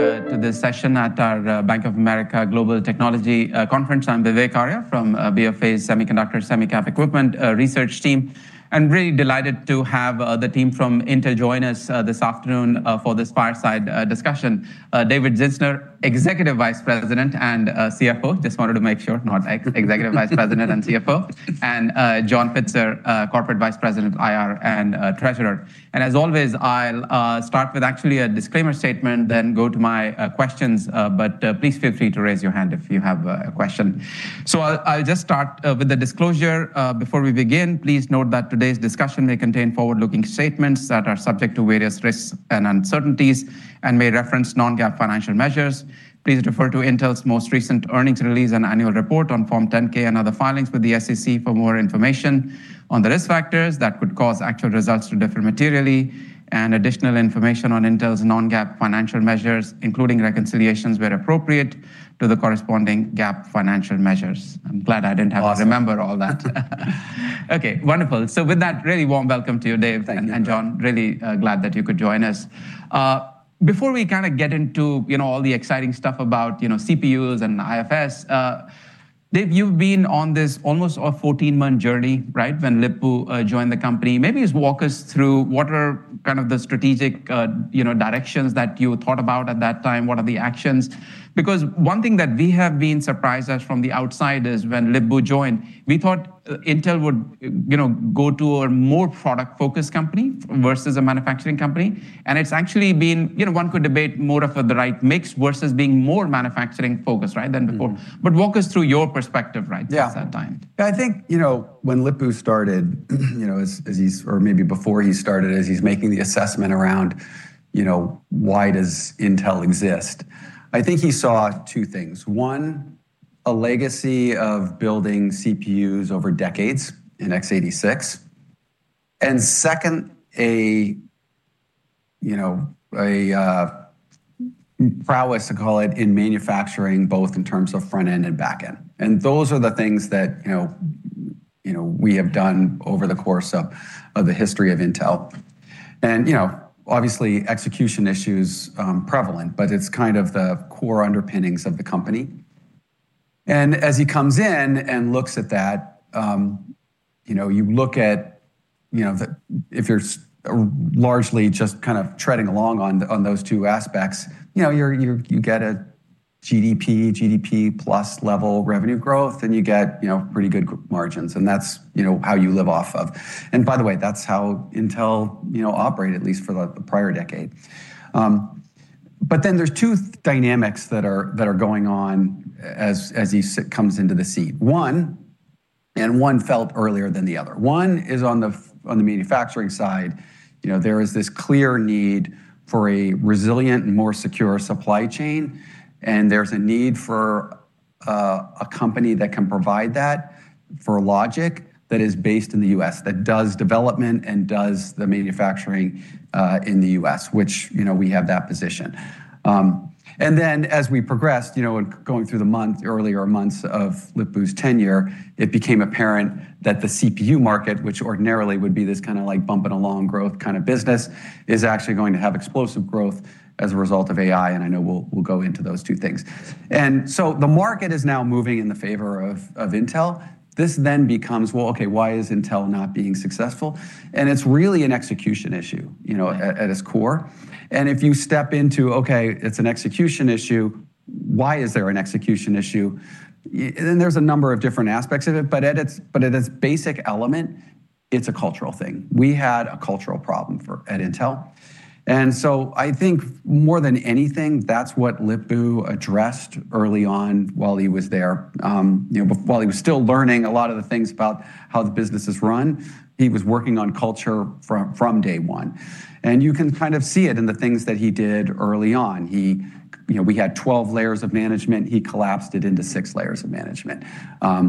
Welcome to this session at our Bank of America Global Technology Conference. I'm Vivek Arya from BofA Securities, Semi Cap Equipment research team, really delighted to have the team from Intel join us this afternoon for this fireside discussion. David Zinsner, Executive Vice President and CFO. Just wanted to make sure, not ex-Executive Vice President and CFO. John Pitzer, Corporate Vice President, IR, and Treasurer. As always, I'll start with actually a disclaimer statement, then go to my questions. Please feel free to raise your hand if you have a question. I'll just start with the disclosure. Before we begin, please note that today's discussion may contain forward-looking statements that are subject to various risks and uncertainties and may reference non-GAAP financial measures. Please refer to Intel's most recent earnings release and annual report on Form 10-K and other filings with the SEC for more information on the risk factors that could cause actual results to differ materially and additional information on Intel's non-GAAP financial measures, including reconciliations where appropriate to the corresponding GAAP financial measures. I'm glad I didn't have to remember all that. Okay, wonderful. With that, really warm welcome to you, Dave and John. Really glad that you could join us. Before we get into all the exciting stuff about CPUs and IFS, Dave, you've been on this almost a 14-month journey, when Lip-Bu joined the company. Maybe just walk us through what are the strategic directions that you thought about at that time. What are the actions? One thing that we have been surprised as from the outside is when Lip-Bu joined, we thought Intel would go to a more product-focused company versus a manufacturing company. It's actually been, one could debate more of the right mix versus being more manufacturing focused than before. Walk us through your perspective right at that time. Yeah. I think when Lip-Bu started, or maybe before he started, as he's making the assessment around why does Intel exist? I think he saw two things. One, a legacy of building CPUs over decades in x86, a prowess, to call it, in manufacturing, both in terms of front end and back end. Those are the things that we have done over the course of the history of Intel. Obviously, execution issue's prevalent, but it's kind of the core underpinnings of the company. As he comes in and looks at that, you look at if you're largely just treading along on those two aspects, you get a GDP plus level revenue growth, you get pretty good margins, that's how you live off of. By the way, that's how Intel operated, at least for the prior decade. There's two dynamics that are going on as he comes into the seat. One, one felt earlier than the other. One is on the manufacturing side. There is this clear need for a resilient and more secure supply chain, and there's a need for a company that can provide that for logic that is based in the U.S., that does development and does the manufacturing in the U.S., which we have that position. As we progressed, going through the earlier months of Lip-Bu's tenure, it became apparent that the CPU market, which ordinarily would be this kind of bumping along growth kind of business, is actually going to have explosive growth as a result of AI, and I know we'll go into those two things. The market is now moving in the favor of Intel. This becomes, well, okay, why is Intel not being successful? It's really an execution issue at its core. If you step into, okay, it's an execution issue, why is there an execution issue? There's a number of different aspects of it, but at its basic element, it's a cultural thing. We had a cultural problem at Intel. I think more than anything, that's what Lip-Bu addressed early on while he was there. While he was still learning a lot of the things about how the business is run, he was working on culture from day one. You can kind of see it in the things that he did early on. We had 12 layers of management. He collapsed it into six layers of management.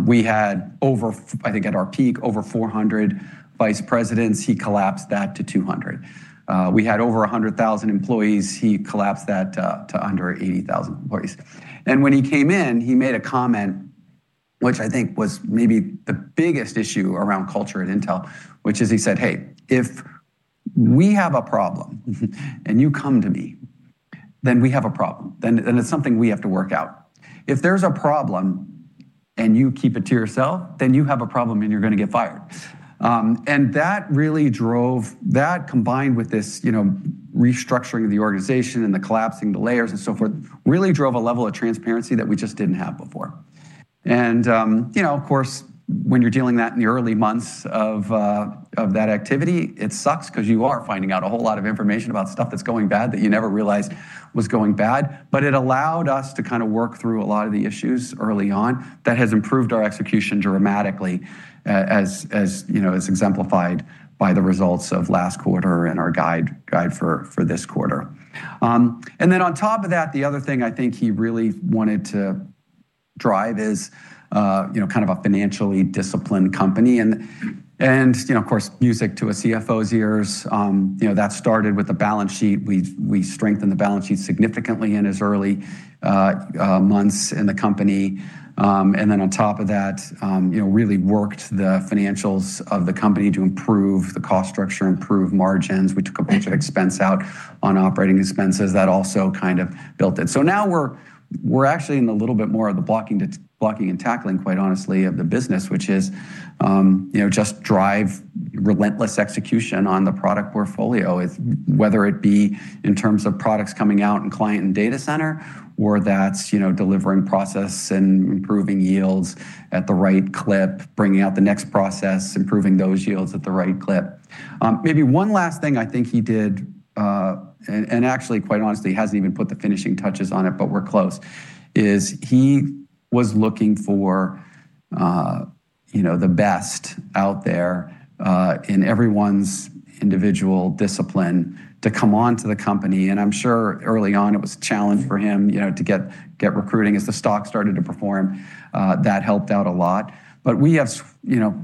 We had over, I think, at our peak, over 400 vice presidents. He collapsed that to 200. We had over 100,000 employees. He collapsed that to under 80,000 employees. When he came in, he made a comment, which I think was maybe the biggest issue around culture at Intel, which is he said, "Hey, if we have a problem and you come to me, we have a problem. It's something we have to work out. If there's a problem and you keep it to yourself, you have a problem and you're going to get fired." That combined with this restructuring of the organization and the collapsing the layers and so forth, really drove a level of transparency that we just didn't have before. Of course, when you're dealing that in the early months of that activity, it sucks because you are finding out a whole lot of information about stuff that's going bad that you never realized was going bad. It allowed us to kind of work through a lot of the issues early on that has improved our execution dramatically, as exemplified by the results of last quarter and our guide for this quarter. On top of that, the other thing I think he really wanted to drive is a financially disciplined company. Of course, music to a CFO's ears that started with the balance sheet. We strengthened the balance sheet significantly in his early months in the company. On top of that really worked the financials of the company to improve the cost structure, improve margins. We took a bunch of expense out on operating expenses. That also built it. Now we're actually in a little bit more of the blocking and tackling, quite honestly, of the business, which is just drive relentless execution on the product portfolio, whether it be in terms of products coming out in client and data center or that's delivering process and improving yields at the right clip, bringing out the next process, improving those yields at the right clip. Maybe one last thing I think he did, and actually quite honestly, he hasn't even put the finishing touches on it, but we're close, is he was looking for the best out there in everyone's individual discipline to come onto the company. I'm sure early on it was a challenge for him to get recruiting. As the stock started to perform that helped out a lot. We have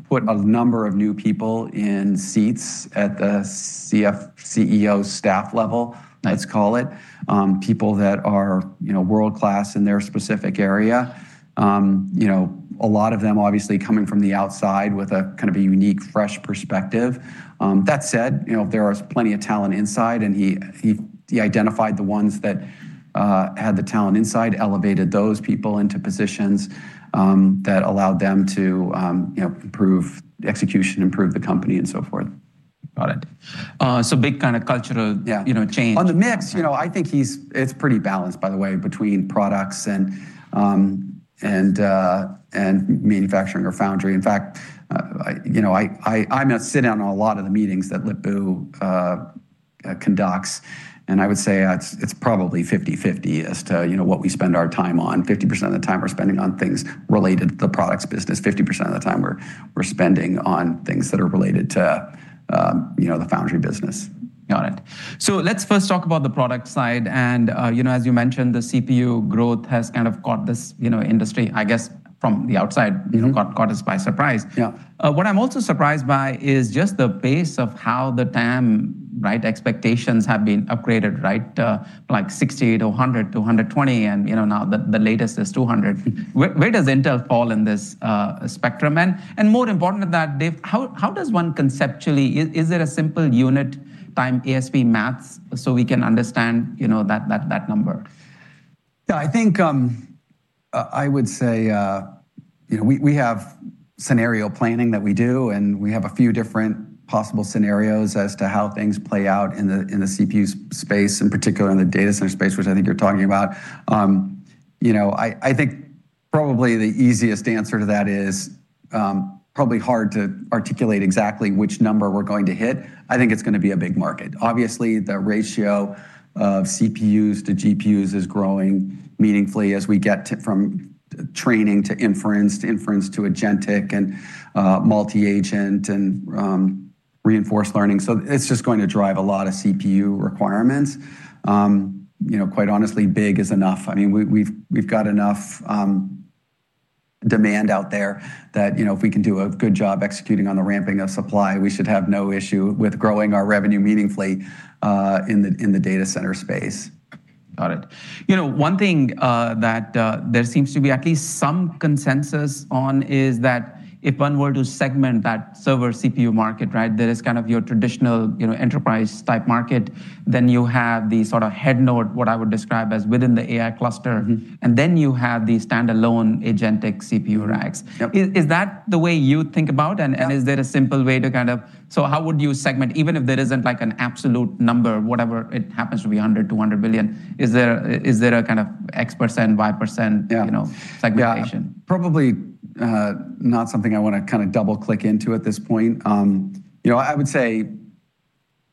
put a number of new people in seats at the CEO staff level, let's call it, people that are world-class in their specific area. A lot of them, obviously, coming from the outside with a unique, fresh perspective. That said, there are plenty of talent inside, and he identified the ones that had the talent inside, elevated those people into positions that allowed them to improve execution, improve the company, and so forth. Got it. Big kind of cultural. Yeah Change. On the mix, I think it's pretty balanced, by the way, between products and manufacturing or foundry. In fact, I sit in on a lot of the meetings that Lip-Bu conducts. I would say it's probably 50/50 as to what we spend our time on. 50% of the time we're spending on things related to the products business. 50% of the time we're spending on things that are related to the foundry business. Got it. Let's first talk about the product side. As you mentioned, the CPU growth has kind of caught this industry, I guess from the outside caught us by surprise. Yeah. What I'm also surprised by is just the pace of how the TAM expectations have been upgraded. Like 60-100-120, and now the latest is 200. Where does Intel fall in this spectrum? More important than that, Dave, how does one conceptually? Is it a simple unit time ASP maths so we can understand that number? Yeah, I think I would say we have scenario planning that we do, we have a few different possible scenarios as to how things play out in the CPU space, in particular in the data center space, which I think you're talking about. I think probably the easiest answer to that is probably hard to articulate exactly which number we're going to hit. I think it's going to be a big market. Obviously, the ratio of CPUs to GPUs is growing meaningfully as we get from training to inference, to inference to agentic and multi-agent and reinforcement learning. It's just going to drive a lot of CPU requirements. Quite honestly, big is enough. We've got enough demand out there that if we can do a good job executing on the ramping of supply, we should have no issue with growing our revenue meaningfully in the data center space. Got it. One thing that there seems to be at least some consensus on is that if one were to segment that server CPU market, there is your traditional enterprise type market. You have the head node, what I would describe as within the AI cluster, and then you have the standalone agentic CPU racks. Yep. Is that the way you think about? Is there a simple way to [inuadible] How would you segment, even if there isn't an absolute number, whatever it happens to be, $100 billion-$200 billion, is there a kind of X%, Y%? Segmentation? Probably not something I want to double-click into at this point. I would say,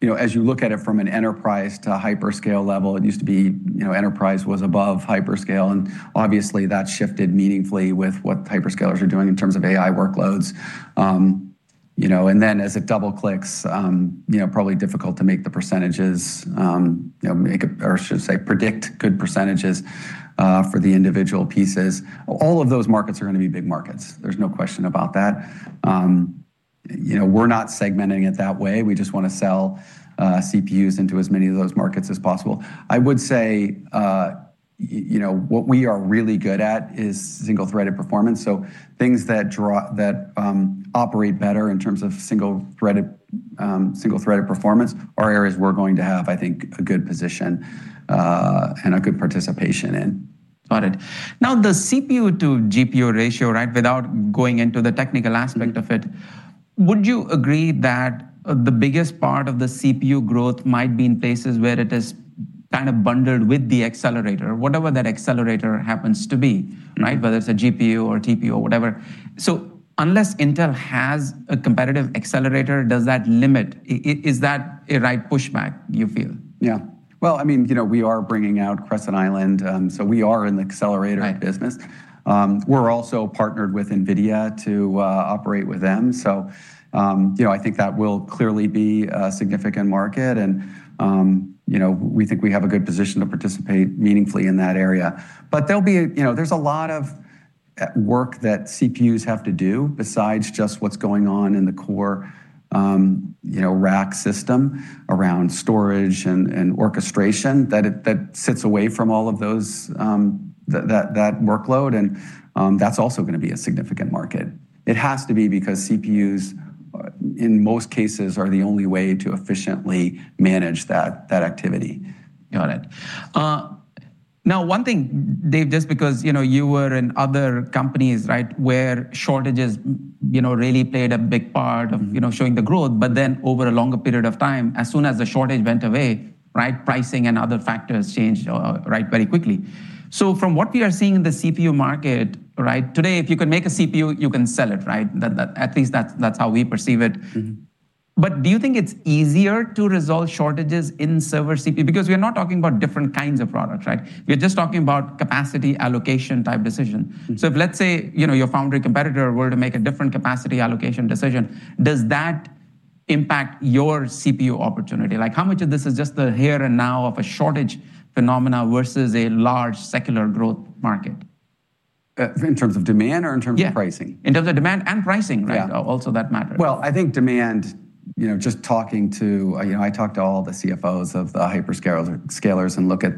as you look at it from an enterprise to hyperscale level, it used to be enterprise was above hyperscale, obviously that shifted meaningfully with what hyperscalers are doing in terms of AI workloads. As it double-clicks probably difficult to make the percentages, or I should say, predict good percentages for the individual pieces. All of those markets are going to be big markets. There's no question about that. We're not segmenting it that way. We just want to sell CPUs into as many of those markets as possible. I would say what we are really good at is single-threaded performance. Things that operate better in terms of single-threaded performance are areas we're going to have, I think, a good position and a good participation in. Got it. The CPU to GPU ratio, without going into the technical aspect of it, would you agree that the biggest part of the CPU growth might be in places where it is bundled with the accelerator, whatever that accelerator happens to be? Whether it's a GPU or TPU or whatever. Unless Intel has a competitive accelerator, is that a right pushback, you feel? Yeah. Well, we are bringing out Crescent Island, so we are in the accelerator business. We're also partnered with Nvidia to operate with them. I think that will clearly be a significant market, and we think we have a good position to participate meaningfully in that area. There's a lot of work that CPUs have to do besides just what's going on in the core rack system around storage and orchestration that sits away from all of that workload, and that's also going to be a significant market. It has to be, because CPUs, in most cases, are the only way to efficiently manage that activity. Got it. One thing, Dave, just because you were in other companies where shortages really played a big part of showing the growth, but then over a longer period of time, as soon as the shortage went away, pricing and other factors changed very quickly. From what we are seeing in the CPU market, today, if you can make a CPU, you can sell it, right? At least that's how we perceive it. Do you think it's easier to resolve shortages in server CPU? We're not talking about different kinds of products, right? We're just talking about capacity allocation type decision. If, let's say, your foundry competitor were to make a different capacity allocation decision, does that impact your CPU opportunity? How much of this is just the here and now of a shortage phenomena versus a large secular growth market? In terms of demand or in terms of pricing? Yeah. In terms of demand and pricing. Yeah. Also that matters. Well, I think demand, I talked to all the CFOs of the hyperscalers and look at,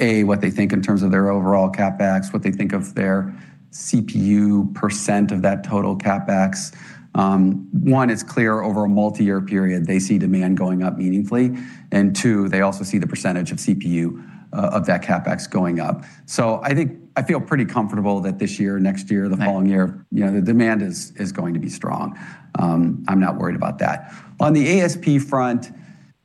A, what they think in terms of their overall CapEx, what they think of their CPU percent of that total CapEx. One, it's clear over a multi-year period, they see demand going up meaningfully, and two, they also see the percentage of CPU of that CapEx going up. I feel pretty comfortable that this year, next year, the following year, the demand is going to be strong. I'm not worried about that. On the ASP front,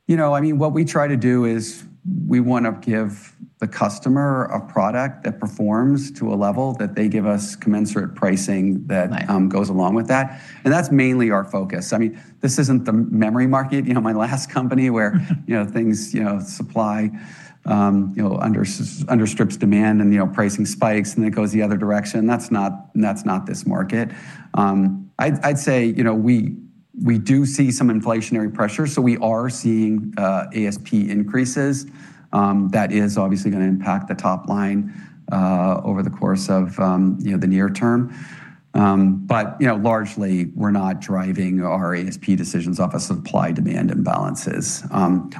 what we try to do is we want to give the customer a product that performs to a level that they give us commensurate pricing. goes along with that. That's mainly our focus. This isn't the memory market, my last company where supply understrips demand, and pricing spikes, and it goes the other direction. That's not this market. I'd say, we do see some inflationary pressure, we are seeing ASP increases. That is obviously going to impact the top line over the course of the near term. Largely, we're not driving our ASP decisions off of supply-demand imbalances.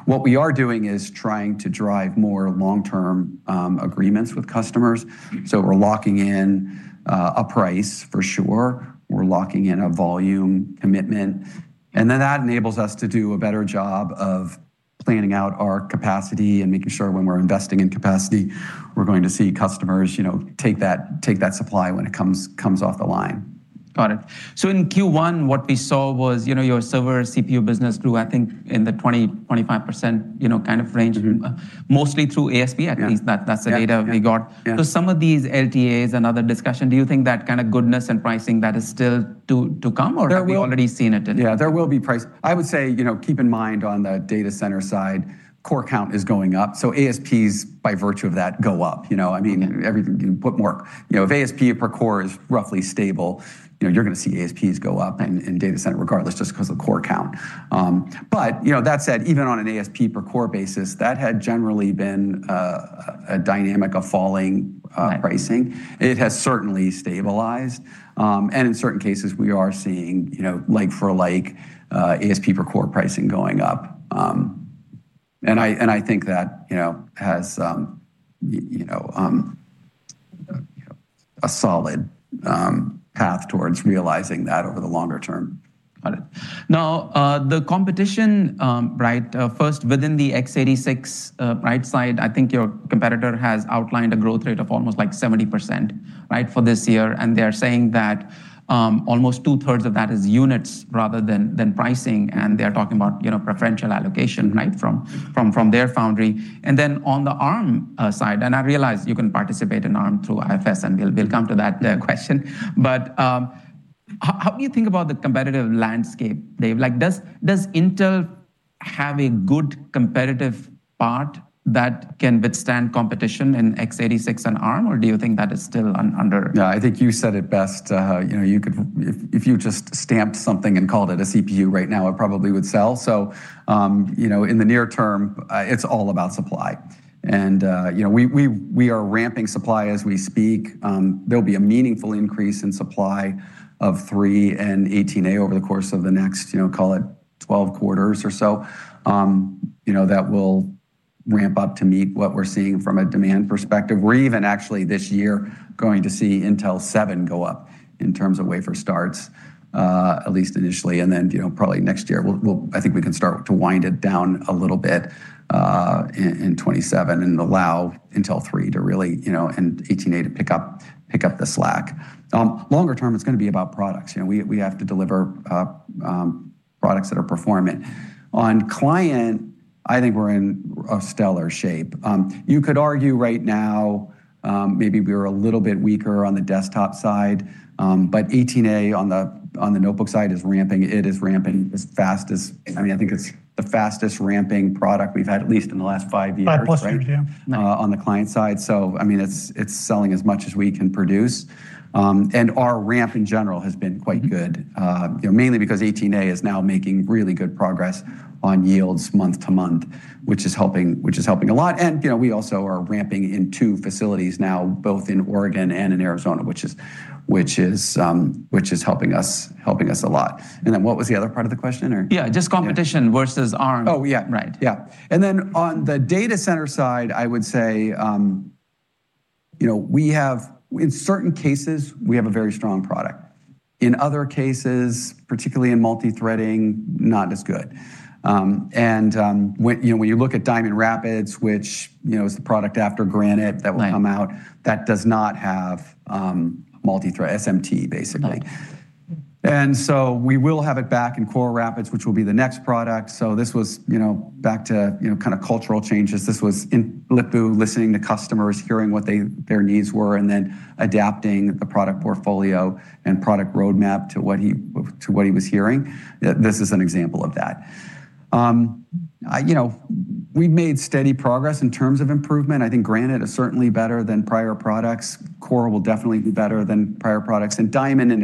What we are doing is trying to drive more long-term agreements with customers. We're locking in a price for sure, we're locking in a volume commitment, that enables us to do a better job of planning out our capacity and making sure when we're investing in capacity, we're going to see customers take that supply when it comes off the line. Got it. In Q1, what we saw was your server CPU business grew, I think in the 20%-25% kind of range. Mostly through ASP, at least. That's the data we got. Some of these LTAs and other discussion, do you think that kind of goodness and pricing, that is still to come, or have we already seen it? Yeah, there will be price. I would say, keep in mind on the data center side, core count is going up. ASPs, by virtue of that, go up. If ASP per core is roughly stable, you're going to see ASPs go up in data center regardless, just because of core count. That said, even on an ASP per core basis, that had generally been a dynamic of falling pricing. It has certainly stabilized. In certain cases, we are seeing like for like ASP per core pricing going up. I think that has a solid path towards realizing that over the longer term. Got it. The competition first within the x86 side, I think your competitor has outlined a growth rate of almost 70% for this year, and they're saying that almost 2/3 of that is units rather than pricing, and they're talking about preferential allocation from their foundry. On the Arm side, and I realize you can participate in Arm through IFS, and we'll come to that question. How do you think about the competitive landscape, Dave? Does Intel have a good competitive part that can withstand competition in x86 and Arm, or do you think that is still under? No, I think you said it best. If you just stamped something and called it a CPU right now, it probably would sell. In the near term, it's all about supply. We are ramping supply as we speak. There'll be a meaningful increase in supply of Intel 3 and Intel 18A over the course of the next, call it 12 quarters or so, that will ramp up to meet what we're seeing from a demand perspective. We're even actually this year going to see Intel 7 go up in terms of wafer starts, at least initially, then probably next year, I think we can start to wind it down a little bit in 2027 and allow Intel 3 and Intel 18A to pick up the slack. Longer term, it's going to be about products. We have to deliver products that are performant. On client, I think we're in a stellar shape. You could argue right now maybe we're a little bit weaker on the desktop side. 18A on the notebook side is ramping. It is ramping I think it's the fastest ramping product we've had, at least in the last five years. Five plus years. On the client side. It's selling as much as we can produce. Our ramp in general has been quite good, mainly because Intel 18A is now making really good progress on yields month to month, which is helping a lot. We also are ramping in two facilities now, both in Oregon and in Arizona, which is helping us a lot. What was the other part of the question? Yeah, just competition versus Arm. Oh, yeah. Right. Yeah. On the data center side, I would say in certain cases, we have a very strong product. In other cases, particularly in multithreading, not as good. When you look at Diamond Rapids, which is the product after Granite that will come out, that does not have multithread, SMT, basically. We will have it back in Coral Rapids, which will be the next product. This was back to cultural changes. This was in Lip-Bu listening to customers, hearing what their needs were, and then adapting the product portfolio and product roadmap to what he was hearing. This is an example of that. We've made steady progress in terms of improvement. I think Granite is certainly better than prior products. Coral will definitely be better than prior products. Diamond in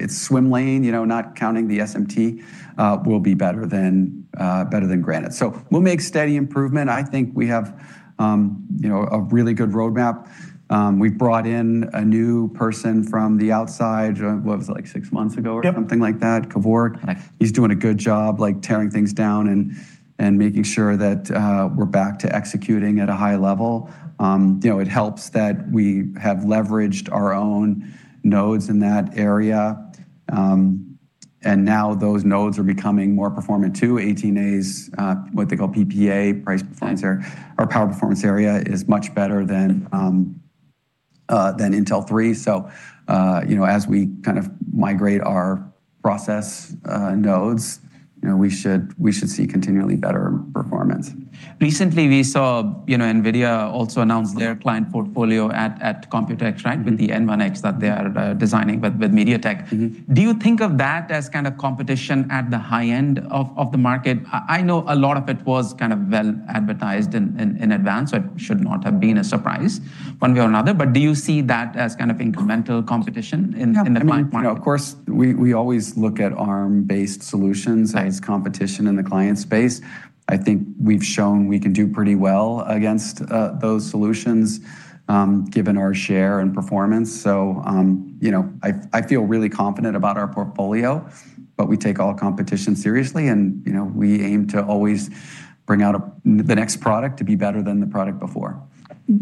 its swim lane, not counting the SMT, will be better than Granite. We'll make steady improvement. I think we have a really good roadmap. We've brought in a new person from the outside, what was it, like six months ago or something like that? Kevork. Right. He's doing a good job tearing things down and making sure that we're back to executing at a high level. It helps that we have leveraged our own nodes in that area. And now those nodes are becoming more performant too. 18A's, what they call PPA, price performance area, or power performance area, is much better than Intel 3. So, as we migrate our process nodes, we should see continually better performance. Recently we saw Nvidia also announced their client portfolio at Computex, right? With the N1X that they are designing with MediaTek. Do you think of that as competition at the high end of the market? I know a lot of it was well advertised in advance, so it should not have been a surprise one way or another. Do you see that as incremental competition in the client point? Of course, we always look at Arm-based solutions as competition in the client space. I think we've shown we can do pretty well against those solutions, given our share and performance. I feel really confident about our portfolio, but we take all competition seriously and we aim to always bring out the next product to be better than the product before.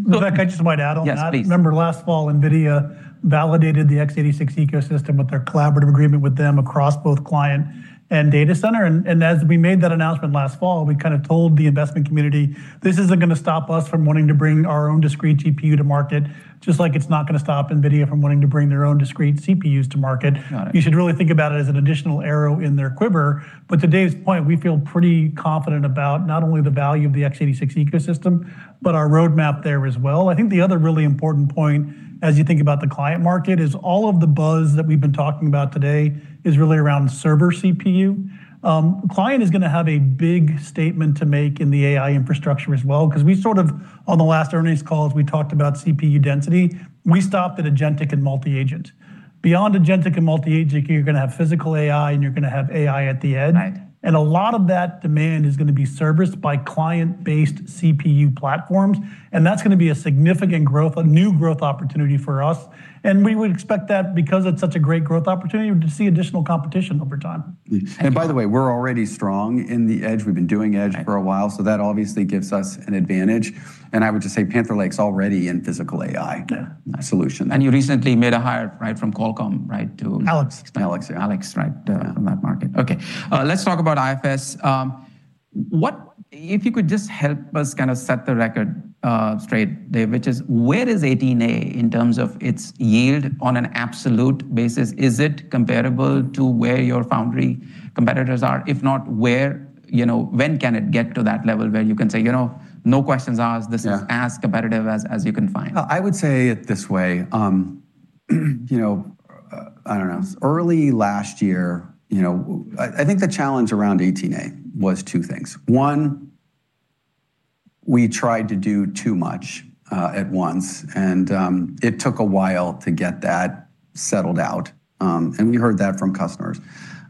If I could just might add on that. Yes, please. Remember last fall, Nvidia validated the x86 ecosystem with their collaborative agreement with them across both client and data center. As we made that announcement last fall, we told the investment community, "This isn't going to stop us from wanting to bring our own discrete GPU to market, just like it's not going to stop Nvidia from wanting to bring their own discrete CPUs to market. Got it. You should really think about it as an additional arrow in their quiver. To Dave's point, we feel pretty confident about not only the value of the x86 ecosystem, but our roadmap there as well. I think the other really important point as you think about the client market is all of the buzz that we've been talking about today is really around server CPU. Client is going to have a big statement to make in the AI infrastructure as well, because on the last earnings calls, we talked about CPU density. We stopped at agentic and multi-agent. Beyond agentic and multi-agent, you're going to have physical AI, and you're going to have AI at the edge. Right. A lot of that demand is going to be serviced by client-based CPU platforms, and that's going to be a significant growth, a new growth opportunity for us. We would expect that because it's such a great growth opportunity to see additional competition over time. Thank you. By the way, we're already strong in the edge. We've been doing edge for a while, so that obviously gives us an advantage. I would just say Panther Lake's already in physical AI. Yeah Solution. You recently made a hire from Qualcomm. Alex. Alex. Alex from that market. Okay. Let's talk about IFS. If you could just help us set the record straight, David, which is where is Intel 18A in terms of its yield on an absolute basis? Is it comparable to where your foundry competitors are? If not, when can it get to that level where you can say, "No questions asked, this is as competitive as you can find. I would say it this way. I don't know. Early last year, I think the challenge around 18A was two things. One, we tried to do too much at once, and it took a while to get that settled out. We heard that from customers.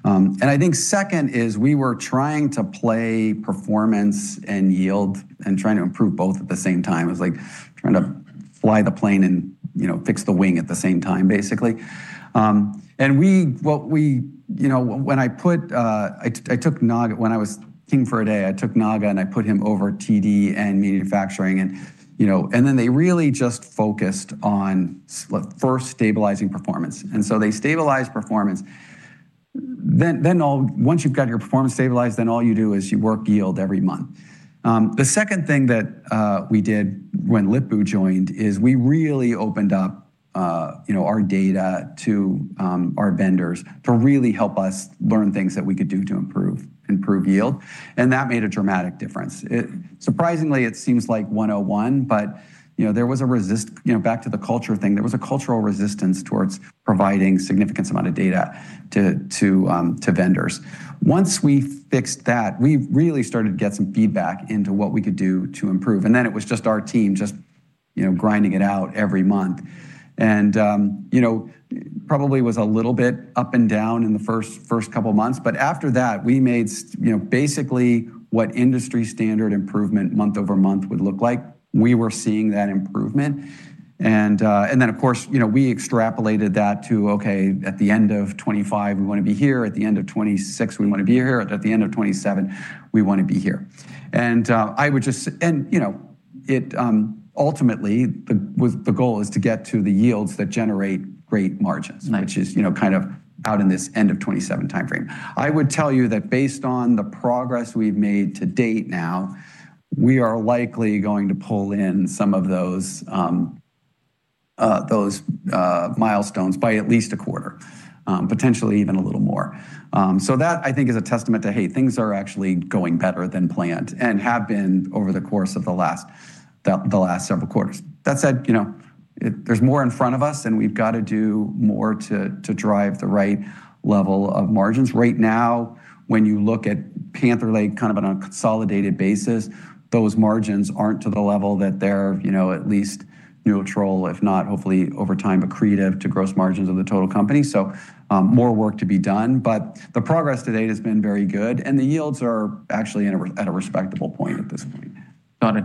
I think second is we were trying to play performance and yield and trying to improve both at the same time. It was like trying to fly the plane and fix the wing at the same time, basically. When I was king for a day, I took Naga and I put him over TD and manufacturing. They really just focused on first stabilizing performance. They stabilized performance. Once you've got your performance stabilized, then all you do is you work yield every month. The second thing that we did when Lip-Bu joined is we really opened up our data to our vendors to really help us learn things that we could do to improve yield. That made a dramatic difference. Surprisingly, it seems like 101, but back to the culture thing, there was a cultural resistance towards providing significant amount of data to vendors. Once we fixed that, we really started to get some feedback into what we could do to improve. Then it was just our team just grinding it out every month. Probably was a little bit up and down in the first couple of months. After that, we made basically what industry standard improvement month-over-month would look like. We were seeing that improvement. Then of course, we extrapolated that to, "Okay, at the end of 2025, we want to be here. At the end of 2026, we want to be here. At the end of 2027, we want to be here. I would just say, Ultimately, the goal is to get to the yields that generate great margins. Which is kind of out in this end of 2027 timeframe. I would tell you that based on the progress we've made to date now, we are likely going to pull in some of those milestones by at least a quarter, potentially even a little more. That I think is a testament to, hey, things are actually going better than planned and have been over the course of the last several quarters. That said, there's more in front of us, and we've got to do more to drive the right level of margins. Right now, when you look at Panther Lake kind of on a consolidated basis, those margins aren't to the level that they're at least neutral, if not hopefully over time accretive to gross margins of the total company. More work to be done, but the progress to date has been very good and the yields are actually at a respectable point at this point. Got it.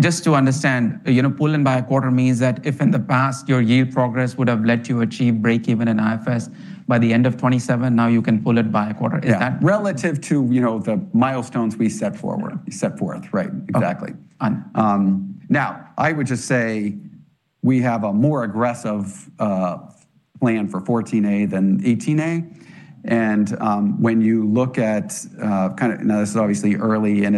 Just to understand, pull in by a quarter means that if in the past your yield progress would have let you achieve breakeven in IFS by the end of 2027, now you can pull it by a quarter. Is that? Yeah, relative to the milestones we set forth. Right. Exactly. I would just say we have a more aggressive plan for 14A than 18A. This is obviously early in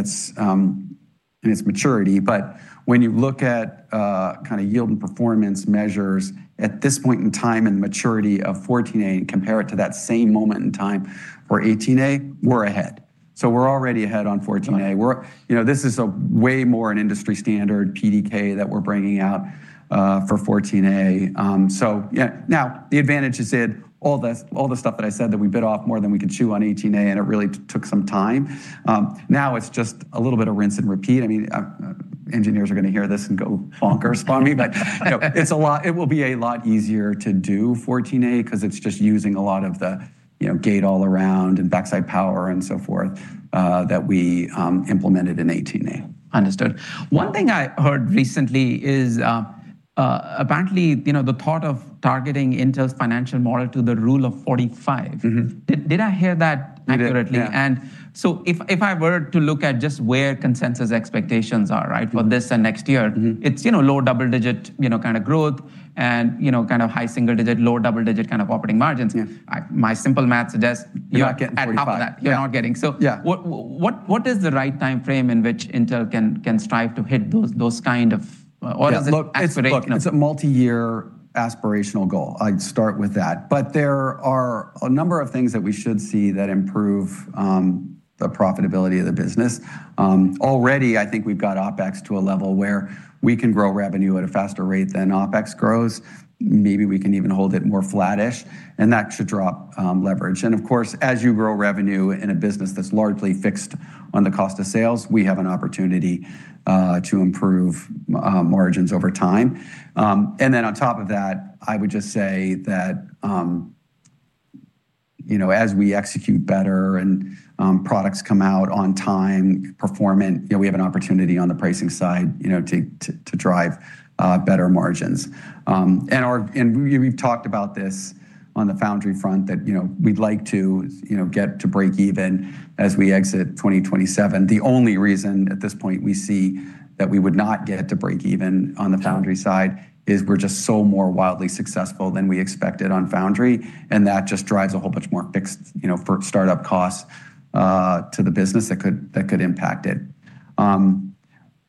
its maturity, but when you look at kind of yield and performance measures at this point in time and maturity of 14A and compare it to that same moment in time for 18A, we're ahead. We're already ahead on 14A. This is way more an industry standard PDK that we're bringing out for 14A. Now, the advantage is that all the stuff that I said that we bit off more than we could chew on 18A, and it really took some time. Now it's just a little bit of rinse and repeat. Engineers are going to hear this and go bonkers on me. It will be a lot easier to do 14A because it's just using a lot of the Gate-All-Around and backside power and so forth that we implemented in 18A. Understood. One thing I heard recently is apparently the thought of targeting Intel's financial model to the Rule of 45. Did I hear that accurately? You did, yeah. If I were to look at just where consensus expectations are, right, for this and next year. It's low double digit kind of growth and kind of high single digit, low double digit kind of operating margins. Yeah. My simple math suggests you're- You're not getting 45. At half of that. You're not getting. Yeah. What is the right timeframe in which Intel can strive to hit those kind of, or is it aspire? Look, it's a multi-year aspirational goal. I'd start with that. There are a number of things that we should see that improve the profitability of the business. Already, I think we've got OpEx to a level where we can grow revenue at a faster rate than OpEx grows. Maybe we can even hold it more flattish, and that should drop leverage. Of course, as you grow revenue in a business that's largely fixed on the cost of sales, we have an opportunity to improve margins over time. On top of that, I would just say that as we execute better and products come out on time performant, we have an opportunity on the pricing side to drive better margins. We've talked about this on the foundry front that we'd like to get to breakeven as we exit 2027. The only reason at this point we see that we would not get to breakeven on the foundry side is we're just so more wildly successful than we expected on foundry, and that just drives a whole bunch more fixed for startup costs to the business that could impact it.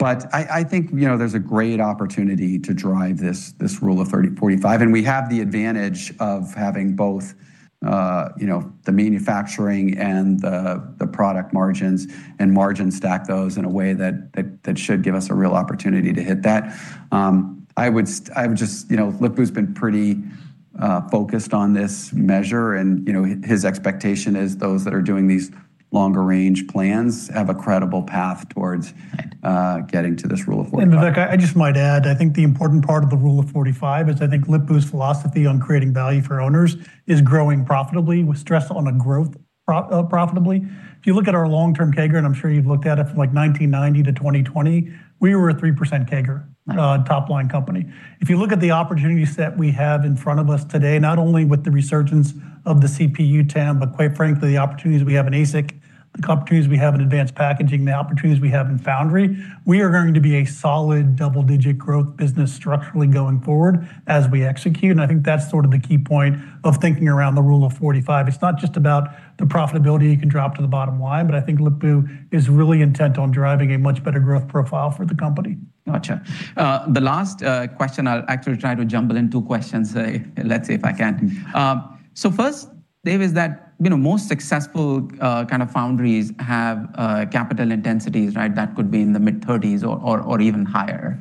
I think there's a great opportunity to drive this Rule of 45, and we have the advantage of having both the manufacturing and the product margins and margin stack those in a way that should give us a real opportunity to hit that. Lip-Bu's been pretty focused on this measure, and his expectation is those that are doing these longer range plans have a credible path towards getting to this Rule of 45. Vivek, I just might add, I think the important part of the Rule of 45 is I think Lip-Bu's philosophy on creating value for owners is growing profitably with stress on a growth profitably. If you look at our long-term CAGR, and I'm sure you've looked at it from 1990-2020, we were a 3% CAGR. Right Top line company. If you look at the opportunities that we have in front of us today, not only with the resurgence of the CPU TAM, but quite frankly, the opportunities we have in ASIC, the opportunities we have in advanced packaging, the opportunities we have in foundry, we are going to be a solid double-digit growth business structurally going forward as we execute. I think that's sort of the key point of thinking around the Rule of 45. It's not just about the profitability you can drop to the bottom line, but I think Lip-Bu is really intent on driving a much better growth profile for the company. Got you. The last question, I'll actually try to jumble in two questions. Let's see if I can. First, Dave, is that most successful kind of foundries have capital intensities that could be in the mid-30s or even higher.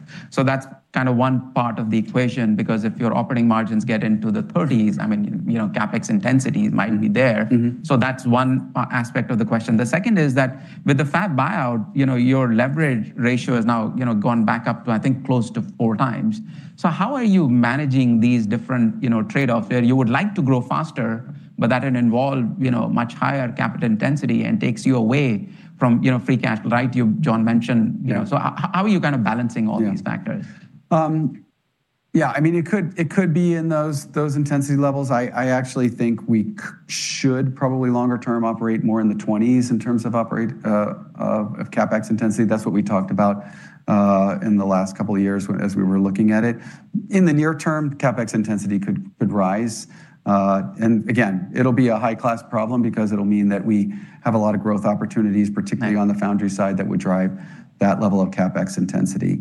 That's kind of one part of the equation, because if your operating margins get into the 30s, CapEx intensities might be there. That's one aspect of the question. The second is that with the fab buyout, your leverage ratio has now gone back up to, I think, close to 4x. How are you managing these different trade-offs where you would like to grow faster, but that it involve much higher capital intensity and takes you away from free cash flow. Right? You, John, mentioned. Yeah. How are you kind of balancing all these factors? Yeah. It could be in those intensity levels. I actually think we should probably longer term operate more in the 20s in terms of CapEx intensity. That's what we talked about in the last two years as we were looking at it. In the near term, CapEx intensity could rise. Again, it'll be a high-class problem because it'll mean that we have a lot of growth opportunities, particularly on the foundry side, that would drive that level of CapEx intensity.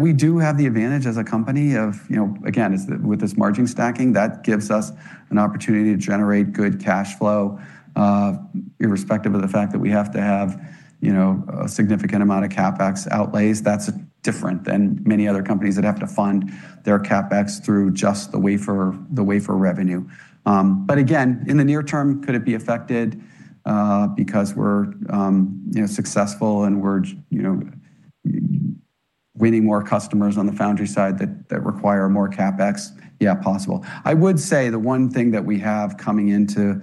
We do have the advantage as a company of, again, with this margin stacking, that gives us an opportunity to generate good cash flow, irrespective of the fact that we have to have a significant amount of CapEx outlays. That's different than many other companies that have to fund their CapEx through just the wafer revenue. Again, in the near term, could it be affected because we're successful and we're winning more customers on the foundry side that require more CapEx? Yeah, possible. I would say the one thing that we have coming into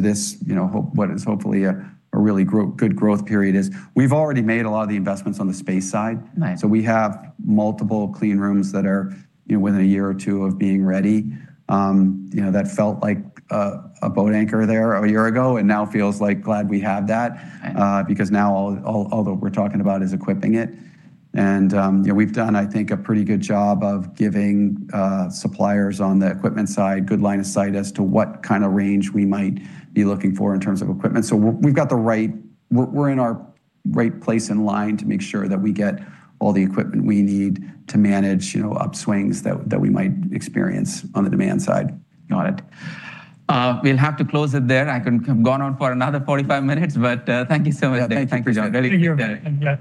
this, what is hopefully a really good growth period, is we've already made a lot of the investments on the space side. Nice. We have multiple clean rooms that are within a year or two of being ready. That felt like a boat anchor there a year ago and now feels like glad we have that. Right Because now all that we're talking about is equipping it. We've done, I think, a pretty good job of giving suppliers on the equipment side good line of sight as to what kind of range we might be looking for in terms of equipment. We're in our right place in line to make sure that we get all the equipment we need to manage upswings that we might experience on the demand side. Got it. We'll have to close it there. I could have gone on for another 45 minutes, but thank you so much. Thank you. Very appreciated. Thank you.